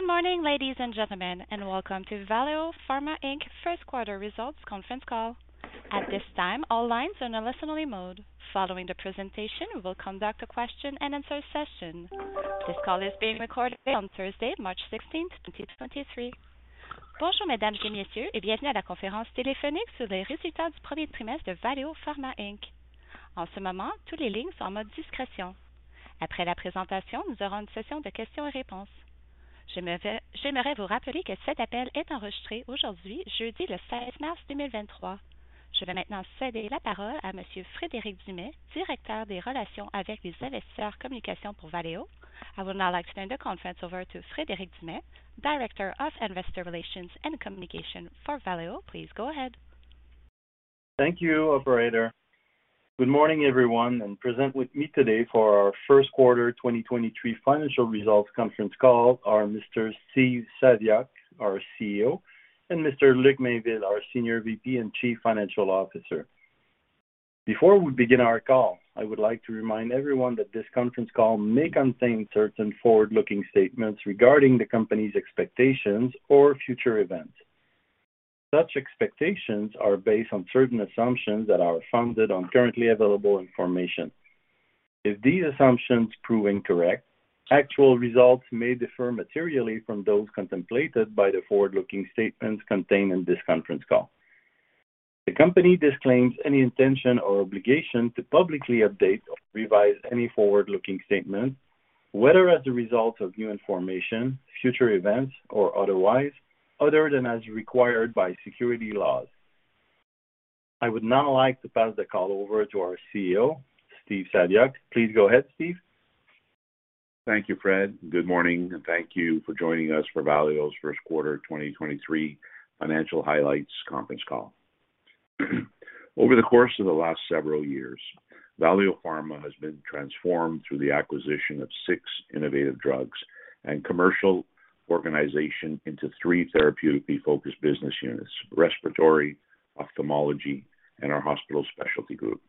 Good morning, ladies and gentlemen, and welcome to Valeo Pharma Inc. First Quarter Results Conference Call. At this time, all lines are in a listen-only mode. Following the presentation, we will conduct a question-and-answer session. This call is being recorded on Thursday, March sixteenth, twenty twenty-three. Bonjour mesdames et messieurs, et bienvenue à la conférence téléphonique sur les résultats du premier trimestre de Valeo Pharma Inc. En ce moment, toutes les lignes sont en mode discrétion. Après la présentation, nous aurons une session de questions et réponses. J'aimerais vous rappeler que cet appel est enregistré aujourd'hui, jeudi le seize mars deux mille vingt-trois. Je vais maintenant céder la parole à Monsieur Frédéric Dumais, Directeur des Relations avec les Investisseurs Communications pour Valeo. I would now like to turn the conference over to Frédéric Dumais, Director of Investor Relations and Communication for Valeo. Please go ahead. Thank you, operator. Good morning, everyone. Present with me today for our 1st quarter 2023 financial results conference call are Mr. Steve Saviuk, our CEO, and Mr. Luc Mainville, our Senior VP and Chief Financial Officer. Before we begin our call, I would like to remind everyone that this conference call may contain certain forward-looking statements regarding the company's expectations or future events. Such expectations are based on certain assumptions that are founded on currently available information. If these assumptions prove incorrect, actual results may differ materially from those contemplated by the forward-looking statements contained in this conference call. The company disclaims any intention or obligation to publicly update or revise any forward-looking statement, whether as a result of new information, future events, or otherwise, other than as required by security laws. I would now like to pass the call over to our CEO, Steve Saviuk. Please go ahead, Steve. Thank you, Fred. Good morning and thank you for joining us for Valeo's First Quarter 2023 Financial Highlights Conference Call. Over the course of the last several years, Valeo Pharma has been transformed through the acquisition of 6 innovative drugs and commercial organization into three therapeutically focused business units, Respiratory, Ophthalmology, and our Hospital Specialty Group.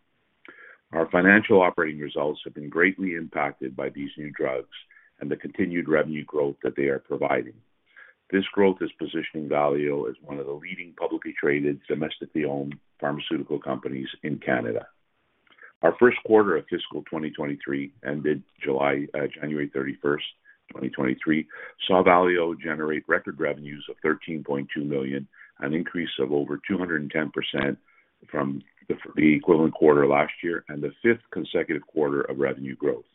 Our financial operating results have been greatly impacted by these new drugs and the continued revenue growth that they are providing. This growth is positioning Valeo as one of the leading publicly traded, domestically owned pharmaceutical companies in Canada. Our first quarter of fiscal 2023 ended January 31st, 2023, saw Valeo generate record revenues of 13.2 million, an increase of over 210% from the equivalent quarter last year and the fifth consecutive quarter of revenue growth.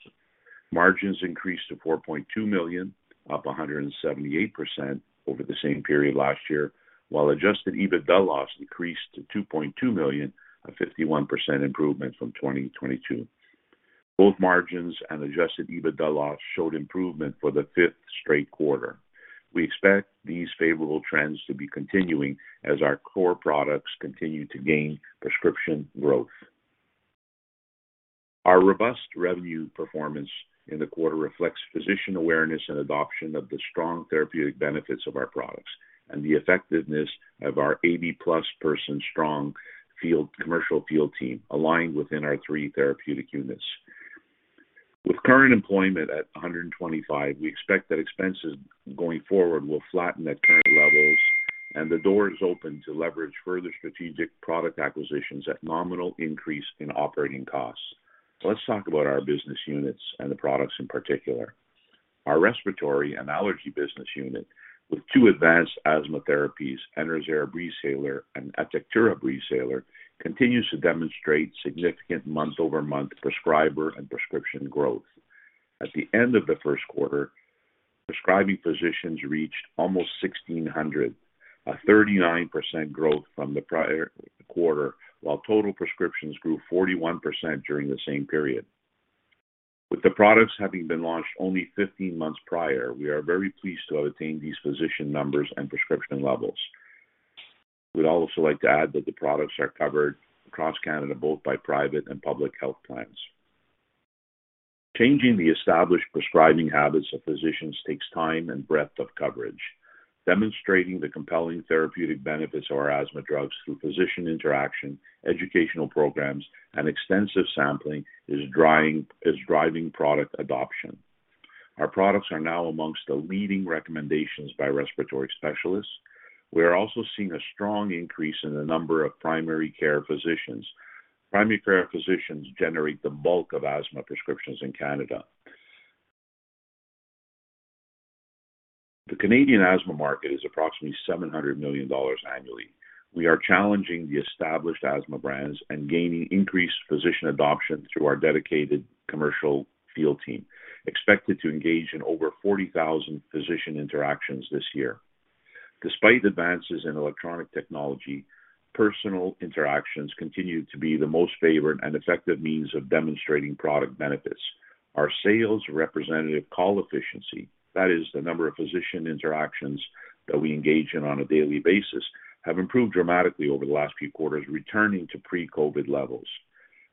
Margins increased to 4.2 million, up 178% over the same period last year, while adjusted EBITDA loss increased to 2.2 million, a 51% improvement from 2022. Both margins and adjusted EBITDA loss showed improvement for the 5th straight quarter. We expect these favorable trends to be continuing as our core products continue to gain prescription growth. Our robust revenue performance in the quarter reflects physician awareness and adoption of the strong therapeutic benefits of our products and the effectiveness of our 80-plus person strong field, commercial field team aligned within our three therapeutic units. With current employment at 125, we expect that expenses going forward will flatten at current levels and the door is open to leverage further strategic product acquisitions at nominal increase in operating costs. Let's talk about our business units and the products in particular. Our respiratory and allergy business unit with two advanced asthma therapies, Enerzair Breezhaler and Atectura Breezhaler, continues to demonstrate significant month-over-month prescriber and prescription growth. At the end of the first quarter, prescribing physicians reached almost 1,600, a 39% growth from the prior quarter, while total prescriptions grew 41% during the same period. With the products having been launched only 15 months prior, we are very pleased to have attained these physician numbers and prescription levels. We'd also like to add that the products are covered across Canada, both by private and public health plans. Changing the established prescribing habits of physicians takes time and breadth of coverage. Demonstrating the compelling therapeutic benefits of our asthma drugs through physician interaction, educational programs, and extensive sampling is driving product adoption. Our products are now amongst the leading recommendations by respiratory specialists. We are also seeing a strong increase in the number of primary care physicians. Primary care physicians generate the bulk of asthma prescriptions in Canada. The Canadian asthma market is approximately $700 million annually. We are challenging the established asthma brands and gaining increased physician adoption through our dedicated commercial field team, expected to engage in over 40,000 physician interactions this year. Despite advances in electronic technology, personal interactions continue to be the most favored and effective means of demonstrating product benefits. Our sales representative call efficiency, that is, the number of physician interactions that we engage in on a daily basis, have improved dramatically over the last few quarters, returning to pre-COVID levels.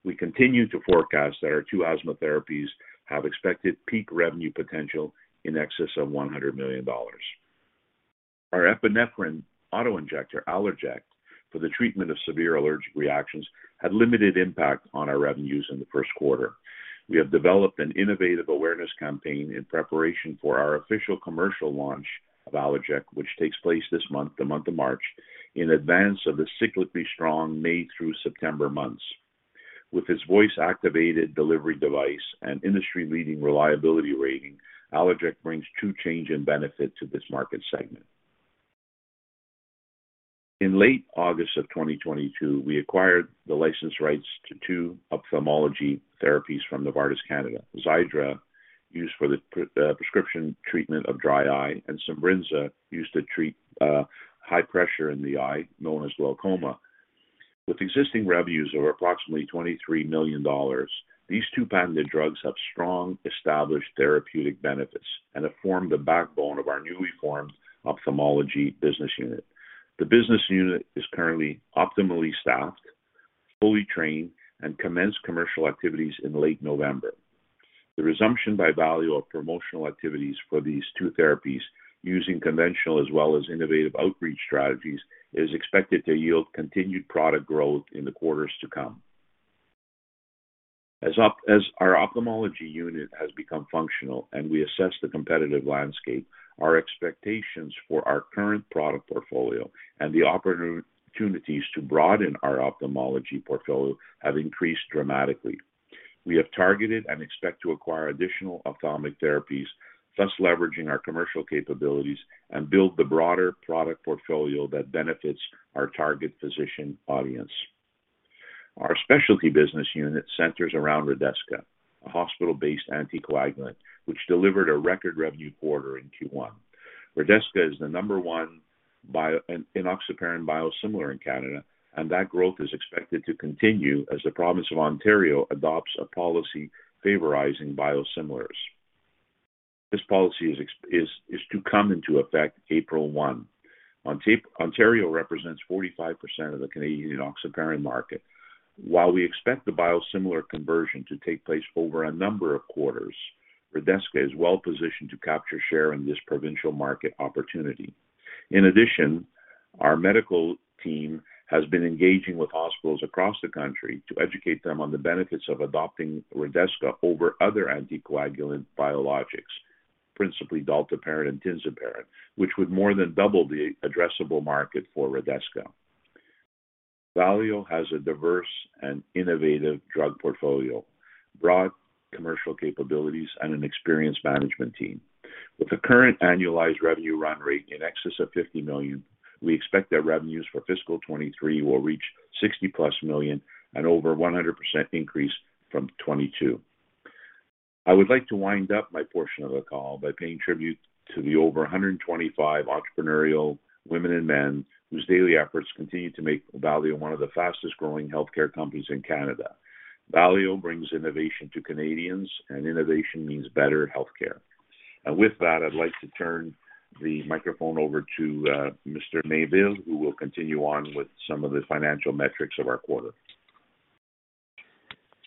We continue to forecast that our two asthma therapies have expected peak revenue potential in excess of $100 million. Our epinephrine auto-injector, Allerject, for the treatment of severe allergic reactions had limited impact on our revenues in the first quarter. We have developed an innovative awareness campaign in preparation for our official commercial launch of Allerject, which takes place this month, the month of March, in advance of the cyclically strong May through September months. With its voice-activated delivery device and industry-leading reliability rating, Allerject brings true change and benefit to this market segment. In late August of 2022, we acquired the license rights to two Ophthalmology therapies from Novartis Canada. Xiidra, used for the prescription treatment of dry eye, and Simbrinza, used to treat high pressure in the eye, known as glaucoma. With existing revenues of approximately 23 million dollars, these two patented drugs have strong established therapeutic benefits and have formed the backbone of our newly formed Ophthalmology Business Unit. The business unit is currently optimally staffed, fully trained, and commenced commercial activities in late November. The resumption by Valeo of promotional activities for these two therapies using conventional as well as innovative outreach strategies is expected to yield continued product growth in the quarters to come. As our Ophthalmology unit has become functional and we assess the competitive landscape, our expectations for our current product portfolio and the opportunities to broaden our Ophthalmology portfolio have increased dramatically. We have targeted and expect to acquire additional ophthalmic therapies, thus leveraging our commercial capabilities and build the broader product portfolio that benefits our target physician audience. Our specialty business unit centers around Redesca, a hospital-based anticoagulant which delivered a record revenue quarter in Q1. Redesca is the number one enoxaparin biosimilar in Canada. That growth is expected to continue as the province of Ontario adopts a policy favoring biosimilars. This policy is to come into effect April 1. Ontario represents 45% of the Canadian enoxaparin market. While we expect the biosimilar conversion to take place over a number of quarters, Redesca is well positioned to capture share in this provincial market opportunity. In addition, our medical team has been engaging with hospitals across the country to educate them on the benefits of adopting Redesca over other anticoagulant biologics, principally dalteparin and tinzaparin, which would more than double the addressable market for Redesca. Valeo has a diverse and innovative drug portfolio, broad commercial capabilities, and an experienced management team. With a current annualized revenue run rate in excess of 50 million, we expect that revenues for fiscal 2023 will reach 60+ million at over 100% increase from 2022. I would like to wind up my portion of the call by paying tribute to the over 125 entrepreneurial women and men whose daily efforts continue to make Valeo one of the fastest-growing healthcare companies in Canada. Valeo brings innovation to Canadians, innovation means better healthcare. With that, I'd like to turn the microphone over to Mr. Mainville, who will continue on with some of the financial metrics of our quarter.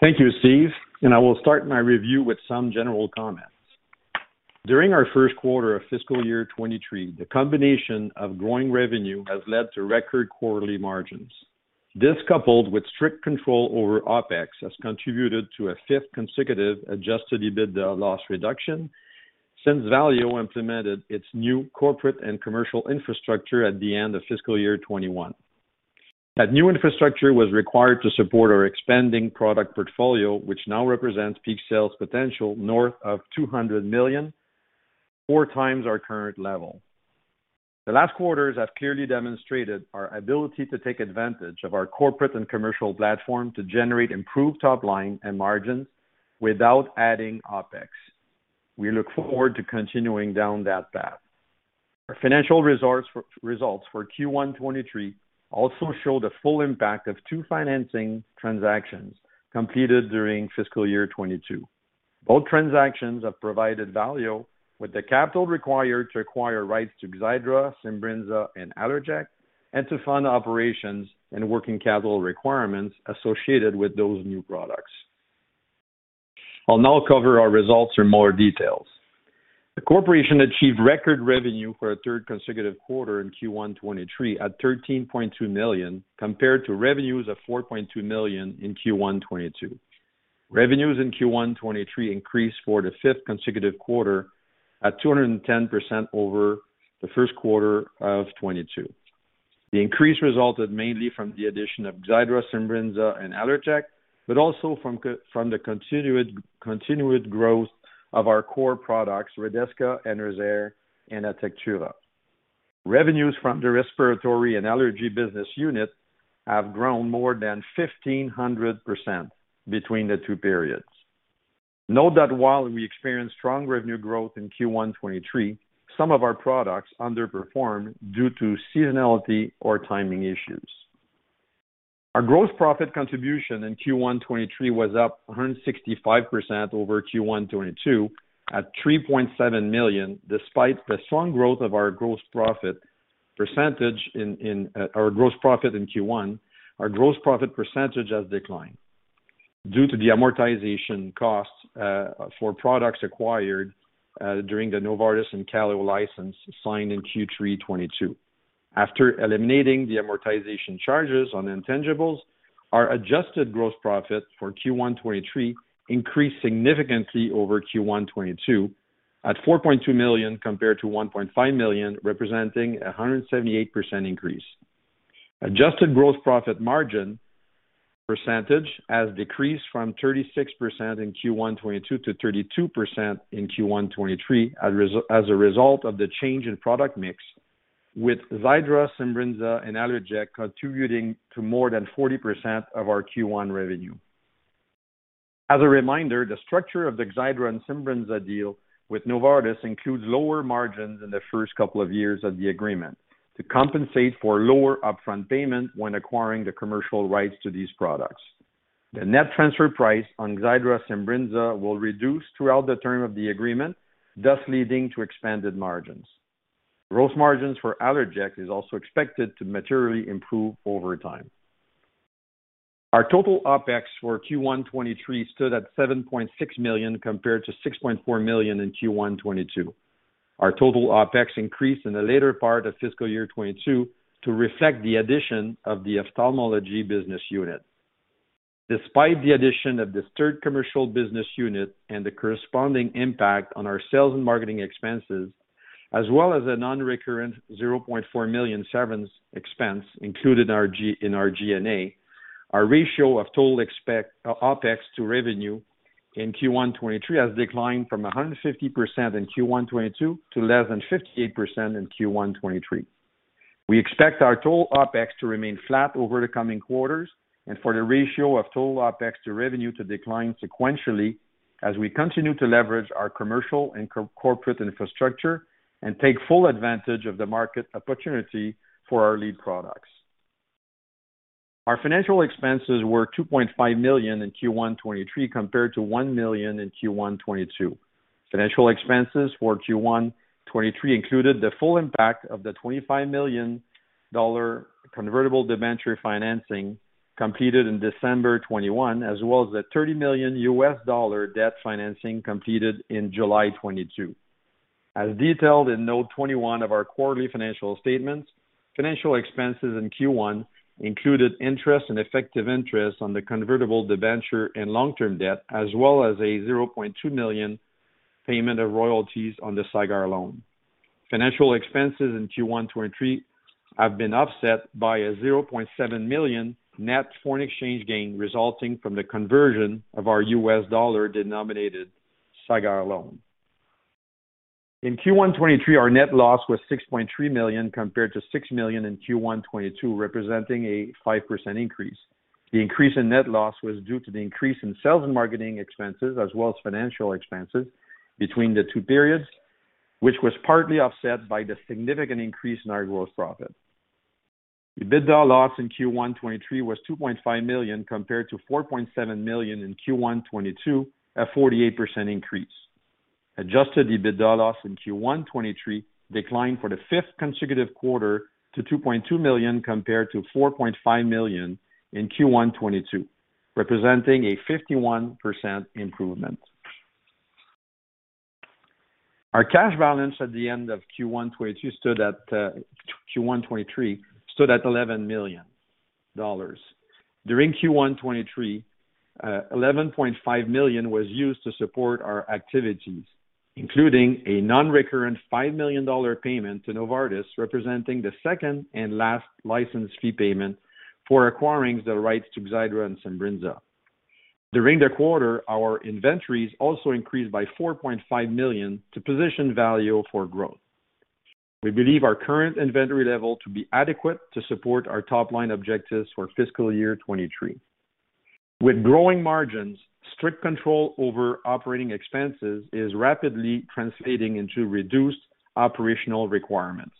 Thank you, Steve. I will start my review with some general comments. During our first quarter of fiscal year 23, the combination of growing revenue has led to record quarterly margins. This, coupled with strict control over OpEx, has contributed to a fifth consecutive adjusted EBITDA loss reduction since Valeo implemented its new corporate and commercial infrastructure at the end of fiscal year 21. That new infrastructure was required to support our expanding product portfolio, which now represents peak sales potential north of 200 million, 4 times our current level. The last quarters have clearly demonstrated our ability to take advantage of our corporate and commercial platform to generate improved top line and margins without adding OpEx. We look forward to continuing down that path. Our financial results for Q1 23 also show the full impact of two financing transactions completed during fiscal year 22. Both transactions have provided Valeo with the capital required to acquire rights to Xiidra, Simbrinza, and Allerject, and to fund operations and working capital requirements associated with those new products. I'll now cover our results in more details. The corporation achieved record revenue for a third consecutive quarter in Q1 2023 at 13.2 million, compared to revenues of 4.2 million in Q1 2022. Revenues in Q1 2023 increased for the fifth consecutive quarter at 210% over the first quarter of 2022. The increase resulted mainly from the addition of Xiidra, Simbrinza, and Allerject, but also from the continued growth of our core products, Redesca and Enerzair and Atectura. Revenues from the respiratory and allergy business unit have grown more than 1,500% between the two periods. Note that while we experienced strong revenue growth in Q1 2023, some of our products underperformed due to seasonality or timing issues. Our gross profit contribution in Q1 2023 was up 165% over Q1 2022 at 3.7 million. Despite the strong growth of our gross profit percentage, our gross profit in Q1, our gross profit percentage has declined. Due to the amortization costs for products acquired during the Novartis and Kaléo license signed in Q3 2022. After eliminating the amortization charges on intangibles, our adjusted gross profit for Q1 2023 increased significantly over Q1 2022 at 4.2 million compared to 1.5 million, representing a 178% increase. Adjusted gross profit margin percentage has decreased from 36% in Q1 2022 to 32% in Q1 2023 as a result of the change in product mix, with Xiidra, Simbrinza and Allerject contributing to more than 40% of our Q1 revenue. As a reminder, the structure of the Xiidra and Simbrinza deal with Novartis includes lower margins in the first couple of years of the agreement to compensate for lower upfront payment when acquiring the commercial rights to these products. The net transfer price on Xiidra, Simbrinza will reduce throughout the term of the agreement, thus leading to expanded margins. Gross margins for Allerject is also expected to materially improve over time. Our total OpEx for Q1 2023 stood at 7.6 million, compared to 6.4 million in Q1 2022. Our total OpEx increased in the later part of fiscal year 2022 to reflect the addition of the Ophthalmology Business Unit. Despite the addition of this third Commercial Business Unit and the corresponding impact on our sales and marketing expenses, as well as a non-recurrent 0.4 million severance expense included in our G&A, our ratio of total OpEx to revenue in Q1 2023 has declined from 150% in Q1 2022 to less than 58% in Q1 2023. We expect our total OpEx to remain flat over the coming quarters and for the ratio of total OpEx to revenue to decline sequentially as we continue to leverage our commercial and corporate infrastructure and take full advantage of the market opportunity for our lead products. Our financial expenses were 2.5 million in Q1 2023 compared to 1 million in Q1 2022. Financial expenses for Q1 2023 included the full impact of the 25 million dollar convertible debenture financing completed in December 2021, as well as the $30 million USD debt financing completed in July 2022. As detailed in note 21 of our quarterly financial statements, financial expenses in Q1 included interest and effective interest on the convertible debenture and long-term debt, as well as a 0.2 million payment of royalties on the Sagard loan. Financial expenses in Q1 2023 have been offset by a 0.7 million net foreign exchange gain resulting from the conversion of our US dollar-denominated Sagard loan. In Q1 2023, our net loss was 6.3 million compared to 6 million in Q1 2022, representing a 5% increase. The increase in net loss was due to the increase in sales and marketing expenses as well as financial expenses between the two periods, which was partly offset by the significant increase in our gross profit. EBITDA loss in Q1 2023 was $2.5 million compared to $4.7 million in Q1 2022, a 48% increase. Adjusted EBITDA loss in Q1 2023 declined for the fifth consecutive quarter to $2.2 million compared to $4.5 million in Q1 2022, representing a 51% improvement. Our cash balance at the end of Q1 2023 stood at $11 million. During Q1 2023, $11.5 million was used to support our activities, including a non-recurrent $5 million payment to Novartis, representing the second and last license fee payment for acquiring the rights to Xiidra and Simbrinza. During the quarter, our inventories also increased by 4.5 million to position Valeo for growth. We believe our current inventory level to be adequate to support our top-line objectives for fiscal year 2023. With growing margins, strict control over operating expenses is rapidly translating into reduced operational requirements.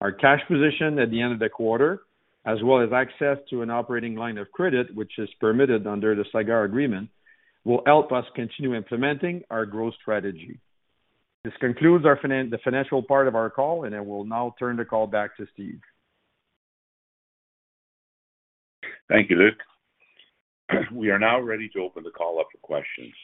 Our cash position at the end of the quarter, as well as access to an operating line of credit, which is permitted under the Sagard Agreement, will help us continue implementing our growth strategy. This concludes the financial part of our call, and I will now turn the call back to Steve. Thank you, Luc. We are now ready to open the call up for questions.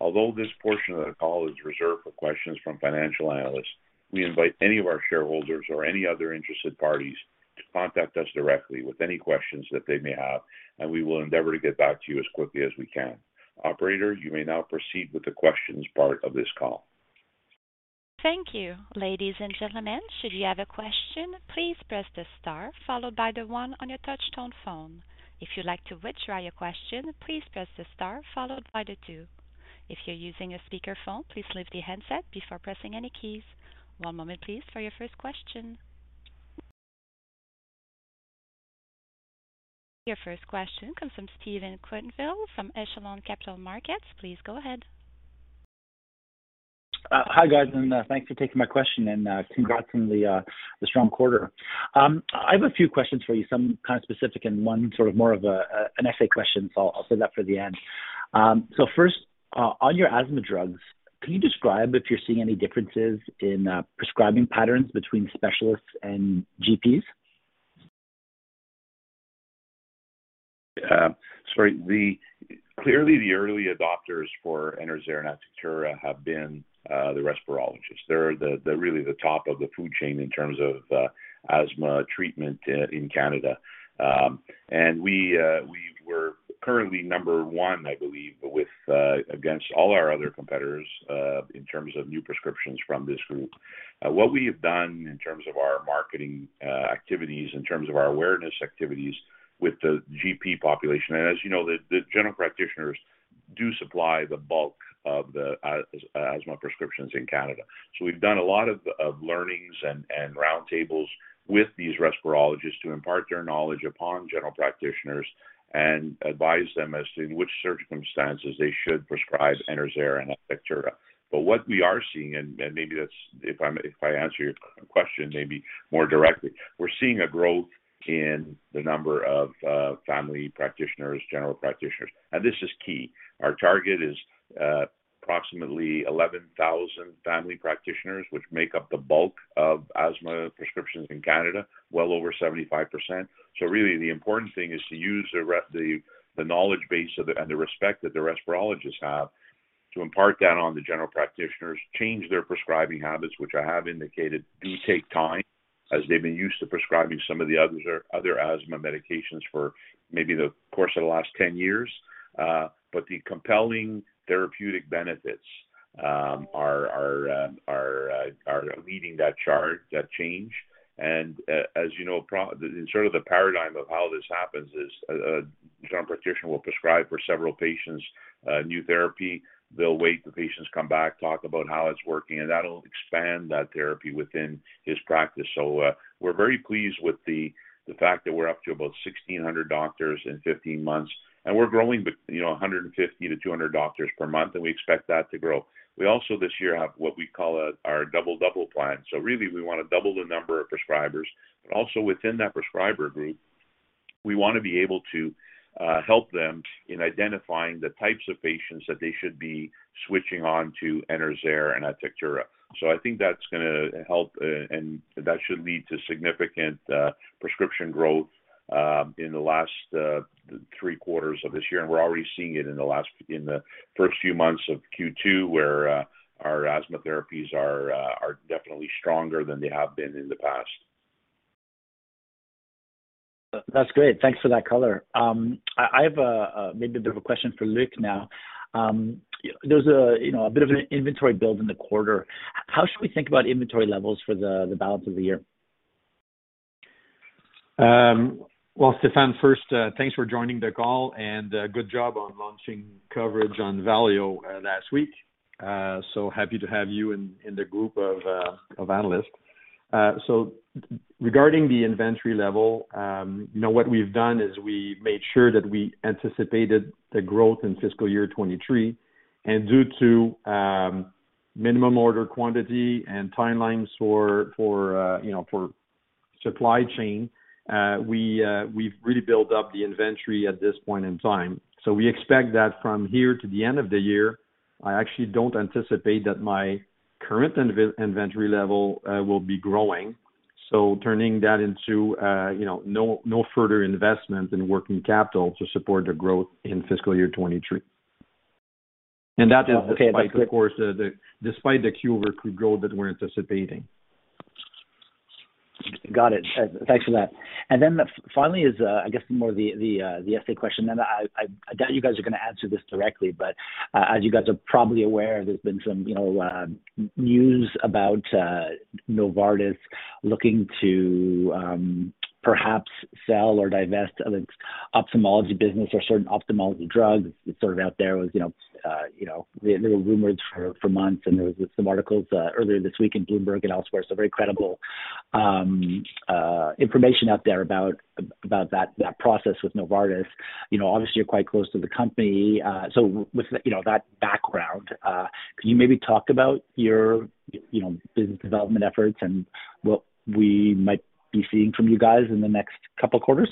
Although this portion of the call is reserved for questions from financial analysts, we invite any of our shareholders or any other interested parties to contact us directly with any questions that they may have, and we will endeavor to get back to you as quickly as we can. Operator, you may now proceed with the questions part of this call. Thank you. Ladies and gentlemen, should you have a question, please press the star followed by the one on your touch tone phone. If you'd like to withdraw your question, please press the star followed by the two. If you're using a speakerphone, please lift the handset before pressing any keys. One moment please for your first question. Your first question comes from Stefan Quenneville from Echelon Wealth Partners. Please go ahead. Hi, guys, thanks for taking my question, congrats on the strong quarter. I have a few questions for you, some kind of specific and one sort of more of an essay question, so I'll save that for the end. First, on your asthma drugs, can you describe if you're seeing any differences in prescribing patterns between specialists and GPs? Sorry. Clearly the early adopters for Enerzair and Atectura have been the respirologists. They're the really the top of the food chain in terms of asthma treatment in Canada. We were currently number 1, I believe, with against all our other competitors in terms of new prescriptions from this group. What we have done in terms of our marketing activities, in terms of our awareness activities with the GP population. As you know, the general practitioners do supply the bulk of the asthma prescriptions in Canada. We've done a lot of learnings and roundtables with these respirologists to impart their knowledge upon general practitioners and advise them as to which circumstances they should prescribe Enerzair and Atectura. What we are seeing, and maybe if I answer your question more directly. We're seeing a growth in the number of family practitioners, general practitioners, and this is key. Our target is approximately 11,000 family practitioners, which make up the bulk of asthma prescriptions in Canada, well over 75%. Really the important thing is to use the knowledge base of and the respect that the respirologists have to impart that on the general practitioners, change their prescribing habits, which I have indicated do take time as they've been used to prescribing some of the others or other asthma medications for maybe the course of the last 10 years. The compelling therapeutic benefits are leading that charge, that change. As you know, sort of the paradigm of how this happens is a general practitioner will prescribe for several patients a new therapy. They'll wait, the patients come back, talk about how it's working, and that'll expand that therapy within his practice. We're very pleased with the fact that we're up to about 1,600 doctors in 15 months, and we're growing with, you know, 150-200 doctors per month, and we expect that to grow. We also, this year, have what we call our. Really we want to double the number of prescribers. Also within that prescriber group, we want to be able to help them in identifying the types of patients that they should be switching on to Enerzair and Atectura. I think that's gonna help, and that should lead to significant prescription growth in the last three quarters of this year. We're already seeing it in the first few months of Q2, where our asthma therapies are definitely stronger than they have been in the past. That's great. Thanks for that color. I have, maybe a bit of a question for Luc now. There was a bit of an inventory build in the quarter. How should we think about inventory levels for the balance of the year? Well, Stefan, first, thanks for joining the call and good job on launching coverage on Valeo last week. Happy to have you in the group of analysts. Regarding the inventory level, you know, what we've done is we made sure that we anticipated the growth in fiscal year 2023. Due to minimum order quantity and timelines for, you know, for supply chain, we've really built up the inventory at this point in time. We expect that from here to the end of the year, I actually don't anticipate that my current inventory level will be growing. Turning that into, you know, no further investment in working capital to support the growth in fiscal year 2023. That is despite, of course, the quarter-over-quarter growth that we're anticipating. Got it. Thanks for that. Then the finally is, I guess more of the essay question. I doubt you guys are gonna answer this directly, as you guys are probably aware, there's been some, you know, news about Novartis looking to perhaps sell or divest of its Ophthalmology business or certain Ophthalmology drugs. It's sort of out there. It was, you know, you know, there were rumors for months and there was some articles earlier this week in Bloomberg and elsewhere. Very credible information out there about that process with Novartis. You know, obviously you're quite close to the company. With, you know, that background, can you maybe talk about your, you know, business development efforts and what we might be seeing from you guys in the next couple quarters?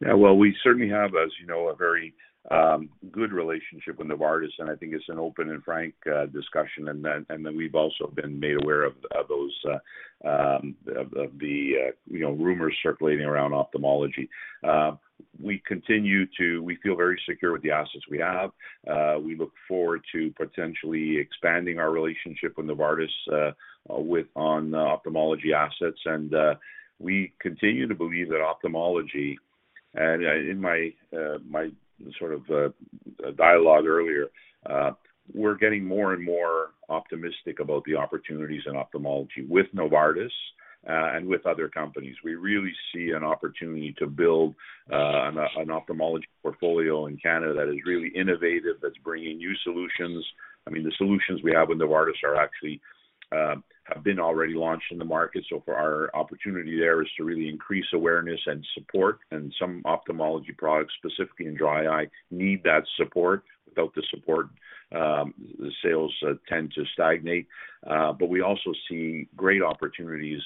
Yeah. Well, we certainly have, as you know, a very good relationship with Novartis, and I think it's an open and frank discussion. Then, we've also been made aware of those of the, you know, rumors circulating around Ophthalmology. We feel very secure with the assets we have. We look forward to potentially expanding our relationship with Novartis with on Ophthalmology assets. We continue to believe that Ophthalmology and in my my sort of dialogue earlier, we're getting more and more optimistic about the opportunities in Ophthalmology with Novartis and with other companies. We really see an opportunity to build an Ophthalmology portfolio in Canada that is really innovative, that's bringing new solutions. I mean, the solutions we have with Novartis are actually have been already launched in the market. For our opportunity there is to really increase awareness and support. Some Ophthalmology products, specifically in dry eye, need that support. Without the support, the sales tend to stagnate. We also see great opportunities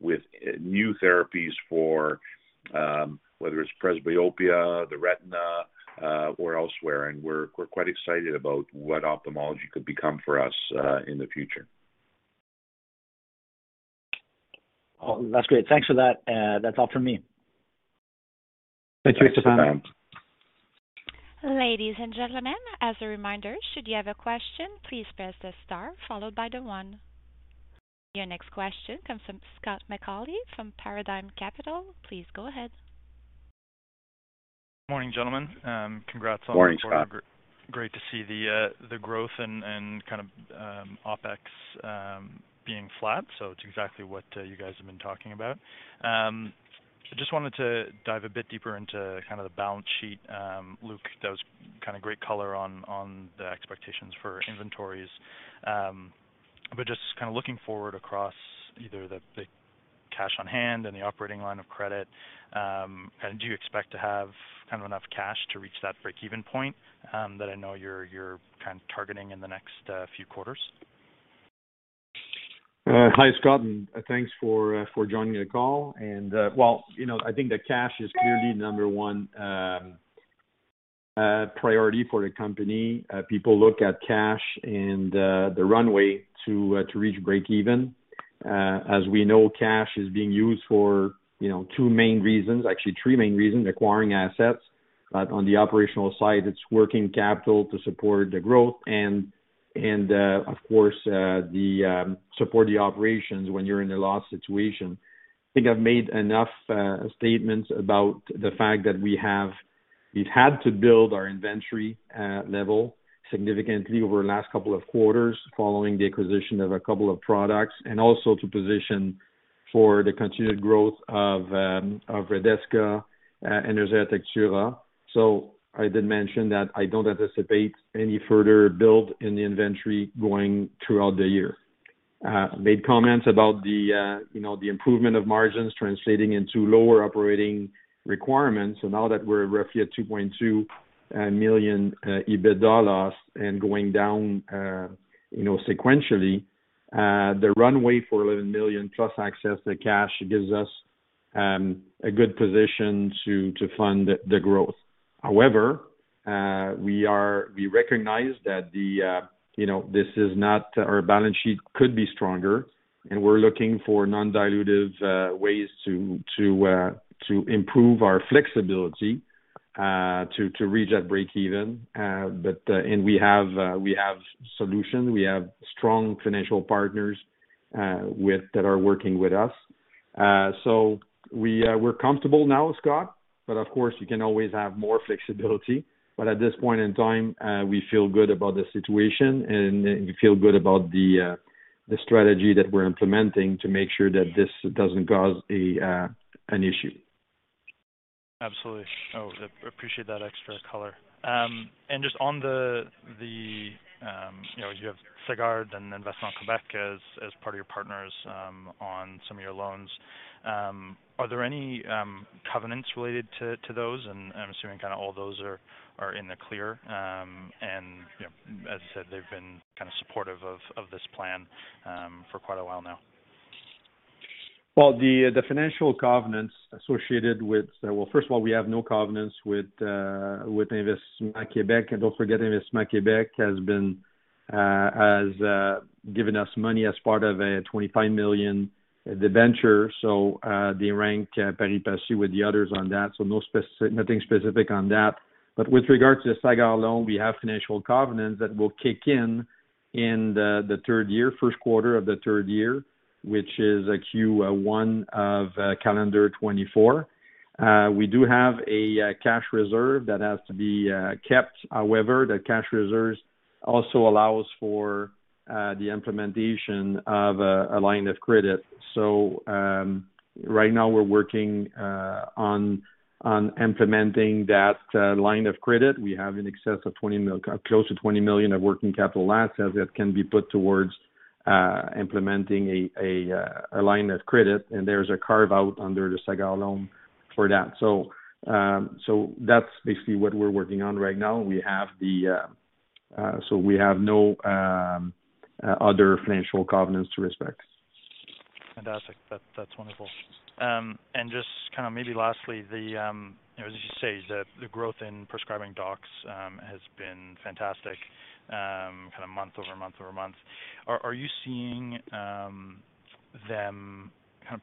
with new therapies for whether it's presbyopia, the retina Elsewhere, we're quite excited about what Ophthalmology could become for us in the future. Oh, that's great. Thanks for that. That's all from me. Thank you, Stefan. Thanks. Ladies and gentlemen, as a reminder, should you have a question, please press the star followed by the one. Your next question comes from Scott McAuley from Paradigm Capital. Please go ahead. Morning, gentlemen. Congrats on the quarter. Morning, Scott. Great to see the growth and kind of OpEx being flat. It's exactly what you guys have been talking about. I just wanted to dive a bit deeper into kind of the balance sheet. Luc, that was kind of great color on the expectations for inventories. Just kind of looking forward across either the cash on hand and the operating line of credit, kind of do you expect to have kind of enough cash to reach that break-even point, that I know you're kind of targeting in the next few quarters? Hi, Scott, and thanks for joining the call. Well, you know, I think the cash is clearly number one priority for the company. People look at cash and the runway to reach break even. As we know, cash is being used for, you know, two main reasons, actually three main reasons: acquiring assets, but on the operational side, it's working capital to support the growth and, of course, the support the operations when you're in a loss situation. I think I've made enough statements about the fact that we've had to build our inventory level significantly over the last couple of quarters following the acquisition of a couple of products, and also to position for the continued growth of Redesca and Ozurdex Tura. I did mention that I don't anticipate any further build in the inventory going throughout the year. Made comments about the, you know, the improvement of margins translating into lower operating requirements. Now that we're roughly at $2.2 million EBITDA loss and going down, you know, sequentially, the runway for $11 million plus access to cash gives us a good position to fund the growth. However, We recognize that the, you know, this is not... Our balance sheet could be stronger, and we're looking for non-dilutive ways to improve our flexibility to reach that break even. We have solution. We have strong financial partners that are working with us. We're comfortable now, Scott, but of course, you can always have more flexibility. At this point in time, we feel good about the situation and we feel good about the strategy that we're implementing to make sure that this doesn't cause a, an issue. Absolutely. Oh, I appreciate that extra color. Just on the, you know, you have Sagard and Investissement Québec as part of your partners on some of your loans, are there any covenants related to those? I'm assuming kind of all those are in the clear and, you know, as said, they've been kind of supportive of this plan for quite a while now. First of all, we have no covenants with Investissement Québec. Don't forget, Investissement Québec has been given us money as part of a 25 million debenture. They rank pari passu with the others on that. Nothing specific on that. With regards to the Sagard loan, we have financial covenants that will kick in in the third year, first quarter of the third year, which is a Q1 of calendar 2024. We do have a cash reserve that has to be kept. However, the cash reserves also allows for the implementation of a line of credit. Right now we're working on implementing that line of credit. We have in excess of close to 20 million of working capital assets that can be put towards implementing a line of credit, and there's a carve out under the Sagard loan for that. That's basically what we're working on right now. We have no other financial covenants to respect. Fantastic. That's wonderful. Just kind of maybe lastly, the, you know, as you say, the growth in prescribing docs has been fantastic, kind of month over month over month. Are you seeing them kind of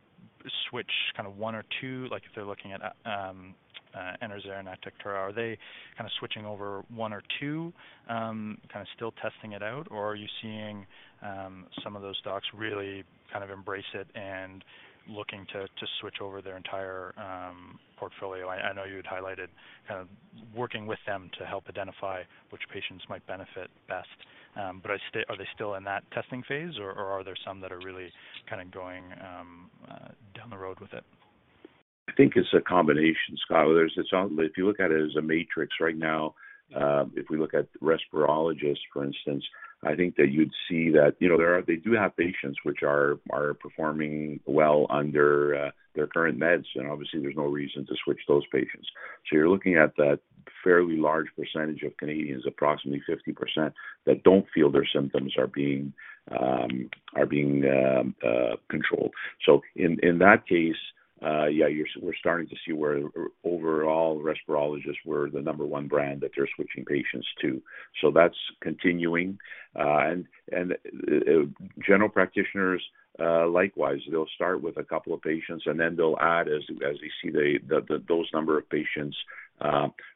switch kind of one or two? Like if they're looking at Enerzair and Atectura, are they kind of switching over one or two, kind of still testing it out? Are you seeing some of those docs really kind of embrace it and looking to switch over their entire portfolio? I know you had highlighted kind of working with them to help identify which patients might benefit best. But are they still in that testing phase, or are there some that are really kind of going down the road with it? I think it's a combination, Scott. If you look at it as a matrix right now, if we look at respirologists, for instance, I think that you'd see that, you know, they do have patients which are performing well under their current meds, and obviously there's no reason to switch those patients. You're looking at that. A fairly large percentage of Canadians, approximately 50%, that don't feel their symptoms are being controlled. In that case, we're starting to see where overall respirologists were the number 1 brand that they're switching patients to. That's continuing. And general practitioners, likewise, they'll start with a couple of patients, and then they'll add as they see the those number of patients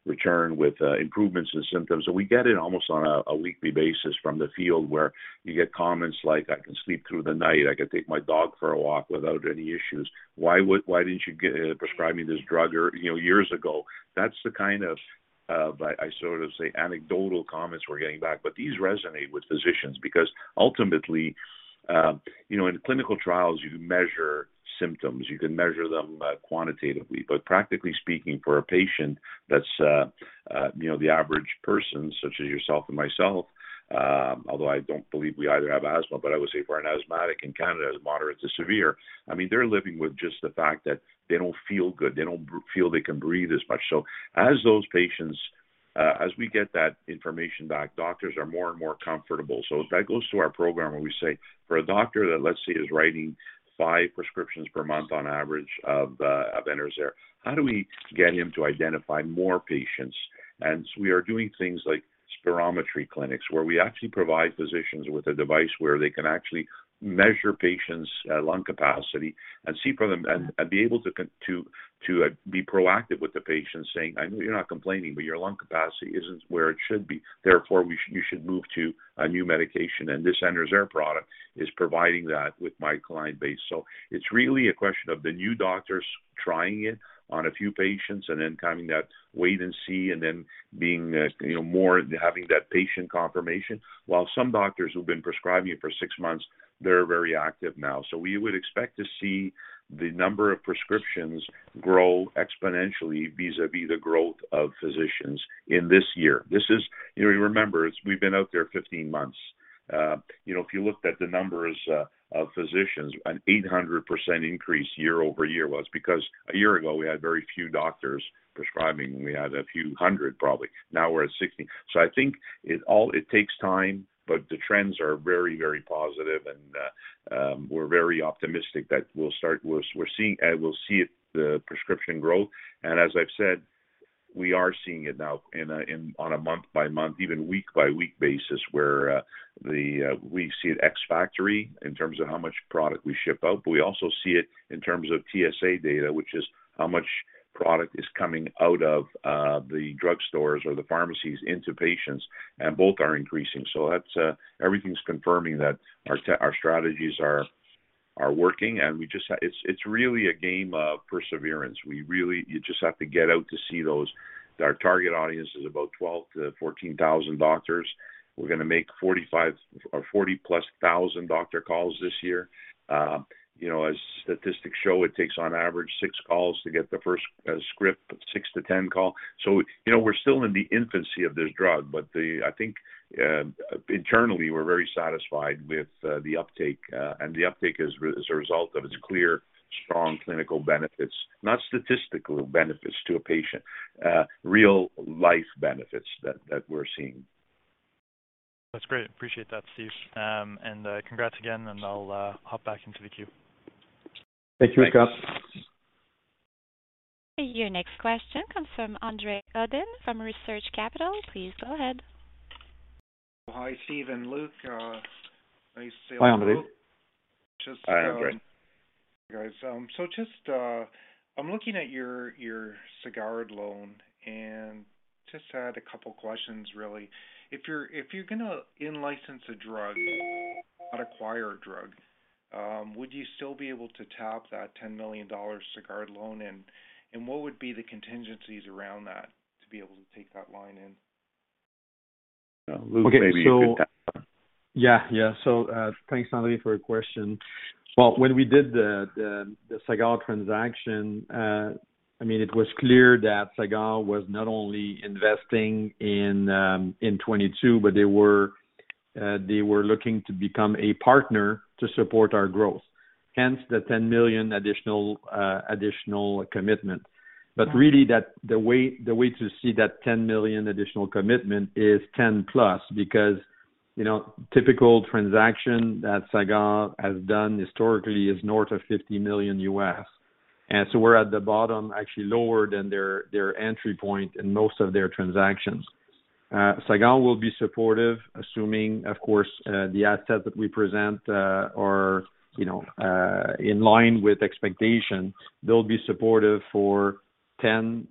return with improvements in symptoms. We get it almost on a weekly basis from the field where you get comments like, "I can sleep through the night. I can take my dog for a walk without any issues. Why didn't you prescribe me this drug or, you know, years ago? That's the kind of, I sort of say anecdotal comments we're getting back. These resonate with physicians because ultimately, you know, in clinical trials, you measure symptoms, you can measure them quantitatively. Practically speaking for a patient that's, you know, the average person such as yourself and myself, although I don't believe we either have asthma, but I would say for an asthmatic in Canada is moderate to severe. I mean, they're living with just the fact that they don't feel good. They don't feel they can breathe as much. As those patients, as we get that information back, doctors are more and more comfortable. That goes to our program where we say, for a doctor that, let's say, is writing five prescriptions per month on average of Enerzair, how do we get him to identify more patients? We are doing things like spirometry clinics, where we actually provide physicians with a device where they can actually measure patients' lung capacity and see from them and be able to be proactive with the patient, saying, "I know you're not complaining, but your lung capacity isn't where it should be. Therefore, you should move to a new medication. This Enerzair product is providing that with my client base." It's really a question of the new doctors trying it on a few patients and then having that wait-and-see and then being, you know, more having that patient confirmation. While some doctors who've been prescribing it for six months, they're very active now. We would expect to see the number of prescriptions grow exponentially vis-à-vis the growth of physicians in this year. You know, you remember, we've been out there 15 months. You know, if you looked at the numbers of physicians, an 800% increase year-over-year was because a year ago, we had very few doctors prescribing, and we had a few hundred, probably. Now we're at 60. I think it takes time, but the trends are very, very positive. We're very optimistic that we're seeing the prescription growth. As I've said, we are seeing it now on a month-by-month, even week-by-week basis, where the we see it ex factory in terms of how much product we ship out, but we also see it in terms of TSA data, which is how much product is coming out of the drugstores or the pharmacies into patients, and both are increasing. That's everything's confirming that our strategies are working, and we just. It's really a game of perseverance. We really. You just have to get out to see those. Our target audience is about 12,000-14,000 doctors. We're gonna make 45,000 or 40-plus thousand doctor calls this year. You know, as statistics show, it takes on average six calls to get the first script, six to 10 call. you know, we're still in the infancy of this drug. I think, internally, we're very satisfied with the uptake. The uptake is as a result of its clear, strong clinical benefits, not statistical benefits to a patient, real-life benefits that we're seeing. That's great. Appreciate that, Steve. Congrats again, and I'll hop back into the queue. Thank you, Scott. Thanks. Your next question comes from André Audet from Research Capital. Please go ahead. Hi, Steve and Luc. Nice to see you both. Hi, André. Just. Hi, André. Guys. Just, I'm looking at your Sagard loan and just had a couple questions really. If you're gonna in-license a drug or acquire a drug, would you still be able to tap that 10 million dollar Sagard loan? What would be the contingencies around that to be able to take that line in? Luc, maybe you could. Thanks, André, for your question. Well, when we did the Sagard transaction, I mean, it was clear that Sagard was not only investing in 2022, but they were looking to become a partner to support our growth, hence the $10 million additional commitment. The way to see that $10 million additional commitment is $10 plus because, you know, typical transaction that Sagard has done historically is north of $50 million USD. We're at the bottom, actually lower than their entry point in most of their transactions. Sagard will be supportive, assuming, of course, the assets that we present are, you know, in line with expectations. They'll be supportive for $10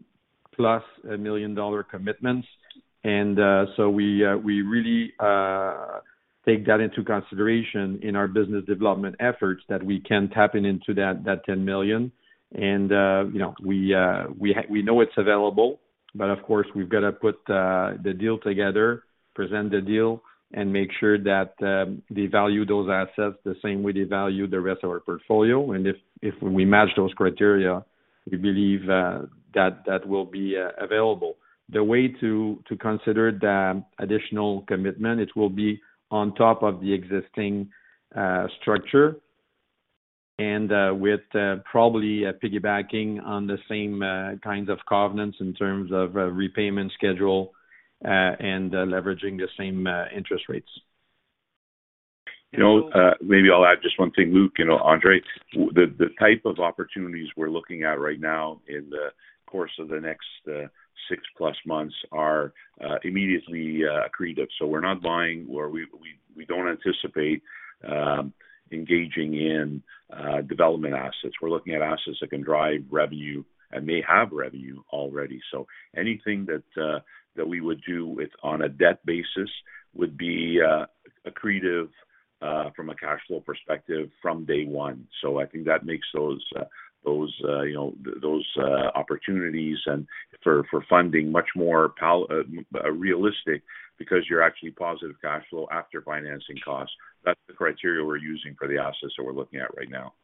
plus a million-dollar commitments. We really take that into consideration in our business development efforts that we can tapping into that 10 million. You know, we know it's available, but of course, we've got to put the deal together, present the deal, and make sure that they value those assets the same way they value the rest of our portfolio. If we match those criteria, we believe that will be available. The way to consider the additional commitment, it will be on top of the existing structure. With probably piggybacking on the same kinds of covenants in terms of repayment schedule and leveraging the same interest rates. You know, maybe I'll add just one thing, Luc, you know, Andre, the type of opportunities we're looking at right now in the course of the next, 6-plus months are immediately accretive. We're not buying or we don't anticipate engaging in development assets. We're looking at assets that can drive revenue and may have revenue already. Anything that we would do with on a debt basis would be accretive from a cash flow perspective from day 1. I think that makes those, you know, those opportunities and for funding much more realistic because you're actually positive cash flow after financing costs. That's the criteria we're using for the assets that we're looking at right now.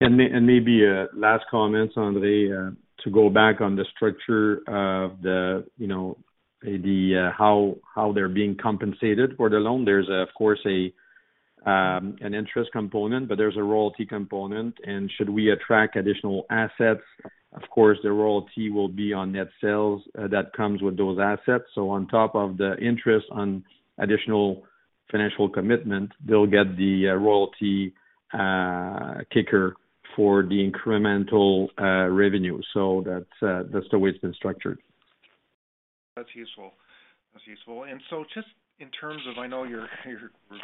Maybe a last comment, André, to go back on the structure of the, you know, the how they're being compensated for the loan. There's of course an interest component, but there's a royalty component, and should we attract additional assets, of course, the royalty will be on net sales that comes with those assets. On top of the interest on additional financial commitment, they'll get the royalty kicker for the incremental revenue. That's the way it's been structured. That's useful. That's useful. I know you're going around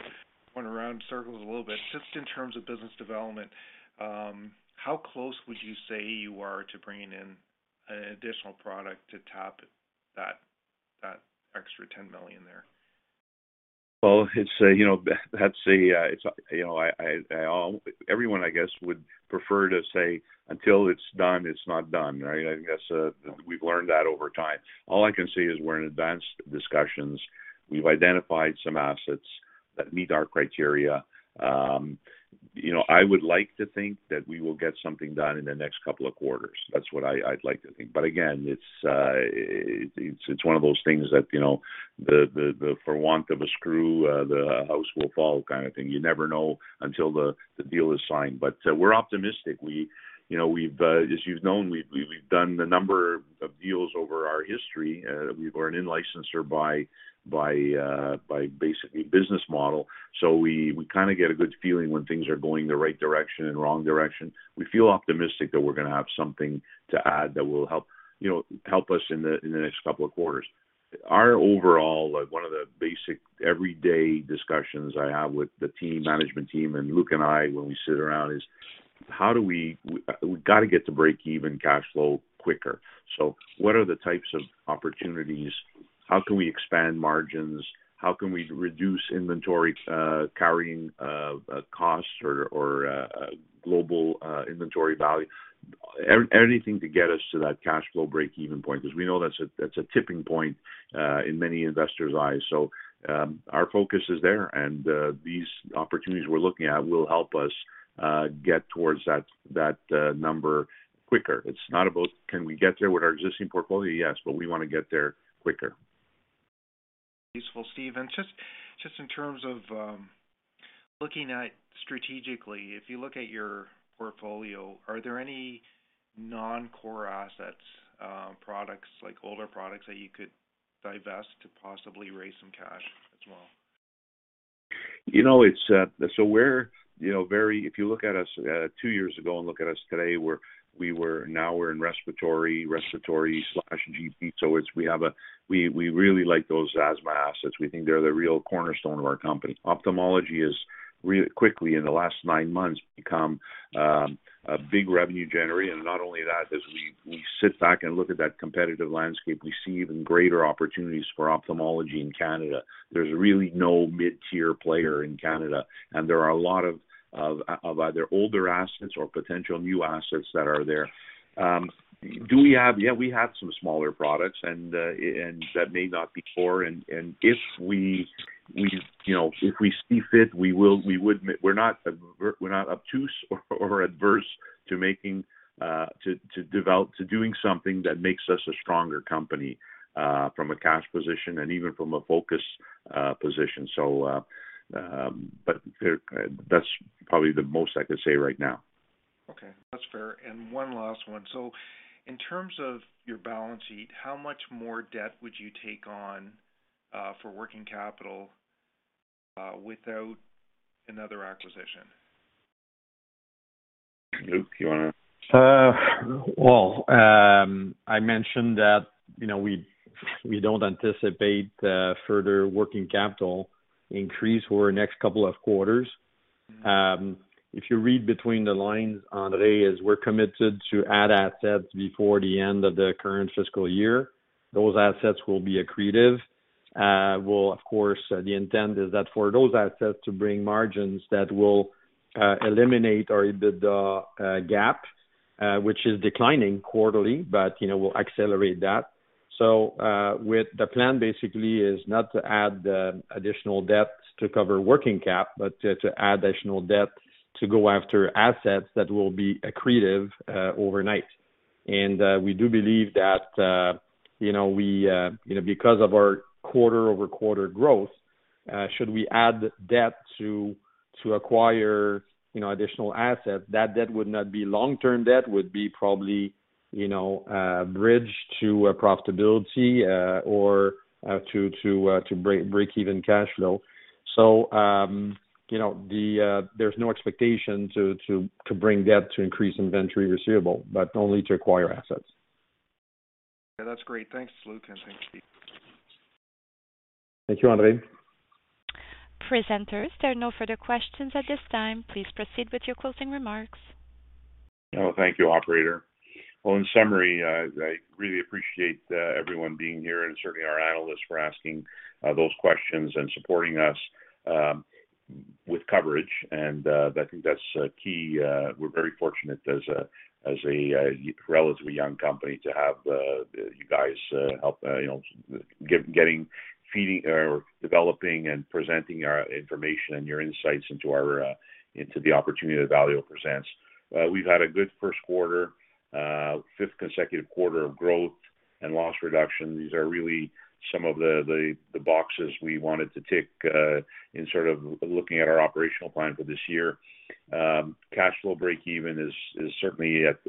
in circles a little bit. Just in terms of business development, how close would you say you are to bringing in an additional product to top that extra 10 million there? Well, it's, you know, that's a, it's, you know, I, everyone, I guess, would prefer to say until it's done, it's not done, right? I guess, we've learned that over time. All I can say is we're in advanced discussions. We've identified some assets that meet our criteria. You know, I would like to think that we will get something done in the next couple of quarters. That's what I'd like to think. Again, it's one of those things that, you know, the for want of a screw, the house will fall kind of thing. You never know until the deal is signed. We're optimistic. We, you know, we've, as you've known, we've done a number of deals over our history. We were an in-licenser by basically business model. We, we kinda get a good feeling when things are going the right direction and wrong direction. We feel optimistic that we're gonna have something to add that will help, you know, help us in the next couple of quarters. Our overall, like one of the basic everyday discussions I have with the team, management team and Luc and I when we sit around is how do we gotta get to breakeven cash flow quicker. What are the types of opportunities? How can we expand margins? How can we reduce inventory carrying costs or global inventory value? Anything to get us to that cash flow breakeven point, because we know that's a tipping point in many investors' eyes. Our focus is there, and these opportunities we're looking at will help us get towards that number quicker. It's not about can we get there with our existing portfolio? Yes, but we wanna get there quicker. Useful, Steve. Just in terms of looking at strategically, if you look at your portfolio, are there any non-core assets, products, like older products that you could divest to possibly raise some cash as well? You know, it's. We're, you know, very. If you look at us, 2 years ago and look at us today, we were, now we're in respiratory slash GP. It's, we really like those asthma assets. We think they're the real cornerstone of our company. Ophthalmology is quickly in the last 9 months, become a big revenue generator. Not only that, as we sit back and look at that competitive landscape, we see even greater opportunities for Ophthalmology in Canada. There's really no mid-tier player in Canada. There are a lot of either older assets or potential new assets that are there. Do we have? Yeah, we have some smaller products and that may not be core. If we, you know, if we see fit, we would... We're not obtuse or adverse to making to doing something that makes us a stronger company from a cash position and even from a focus position. There that's probably the most I could say right now. Okay. That's fair. One last one. In terms of your balance sheet, how much more debt would you take on for working capital without another acquisition? Luc, you wanna? Well, I mentioned that, you know, we don't anticipate further working capital increase for next couple of quarters. If you read between the lines, André, is we're committed to add assets before the end of the current fiscal year. Those assets will be accretive. We'll of course, the intent is that for those assets to bring margins that will eliminate or the gap, which is declining quarterly, but, you know, we'll accelerate that. With the plan basically is not to add additional debt to cover working cap, but to add additional debt to go after assets that will be accretive overnight. We do believe that, you know, we, you know, because of our quarter-over-quarter growth, should we add debt to acquire, you know, additional assets, that debt would not be long-term debt. Would be probably, you know, a bridge to profitability, or to break-even cash flow. You know, the, there's no expectation to bring debt to increase inventory receivable, but only to acquire assets. Yeah, that's great. Thanks, Luc, and thanks, Steve. Thank you, André. Presenters, there are no further questions at this time. Please proceed with your closing remarks. Thank you, operator. Well, in summary, I really appreciate everyone being here and certainly our analysts for asking those questions and supporting us with coverage. I think that's key. We're very fortunate as a relatively young company to have you guys help, you know, getting, feeding or developing and presenting our information and your insights into our into the opportunity that Valeo presents. We've had a good first quarter, fifth consecutive quarter of growth and loss reduction. These are really some of the boxes we wanted to tick in sort of looking at our operational plan for this year. Cash flow break even is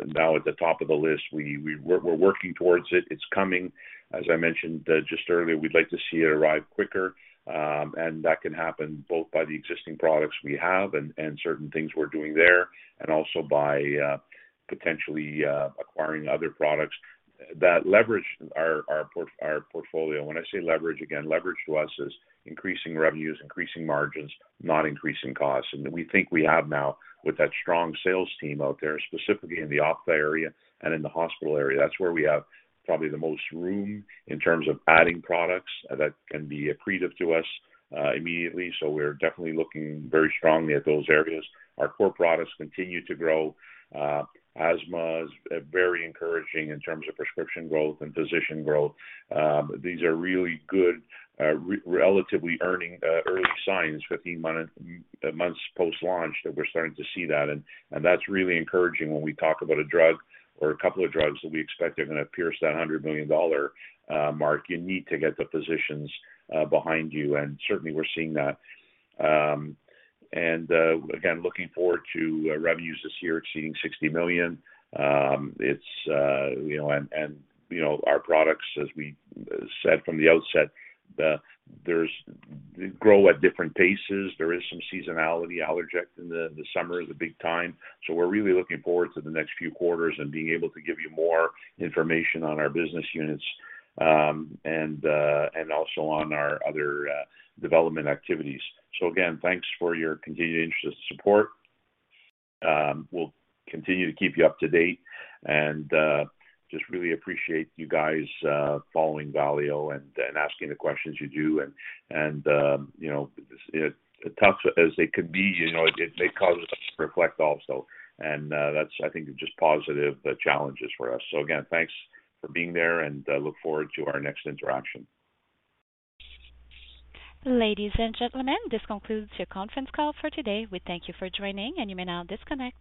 now at the top of the list. We're working towards it. It's coming. As I mentioned, just earlier, we'd like to see it arrive quicker. That can happen both by the existing products we have and certain things we're doing there, and also by potentially acquiring other products that leverage our portfolio. When I say leverage, again, leverage to us is increasing revenues, increasing margins, not increasing costs. We think we have now with that strong sales team out there, specifically in the Optha area and in the hospital area, that's where we have probably the most room in terms of adding products that can be accretive to us immediately. We're definitely looking very strongly at those areas. Our core products continue to grow. Asthma is very encouraging in terms of prescription growth and physician growth. These are really good, relatively earning early signs, 15 months post-launch that we're starting to see that. That's really encouraging when we talk about a drug or a couple of drugs that we expect are gonna pierce that $100 million mark. You need to get the physicians behind you, and certainly we're seeing that. Again, looking forward to revenues this year exceeding $60 million. It's, you know, and, you know, our products, as we said from the outset, there's grow at different paces. There is some seasonality. Allerject in the summer is a big time. We're really looking forward to the next few quarters and being able to give you more information on our business units, and also on our other development activities. Again, thanks for your continued interest and support. We'll continue to keep you up to date. Just really appreciate you guys following Valeo and asking the questions you do. You know, as tough as they could be, you know, it may cause us to reflect also. That's, I think, just positive challenges for us. Again, thanks for being there and I look forward to our next interaction. Ladies and gentlemen, this concludes your conference call for today. We thank you for joining, and you may now disconnect.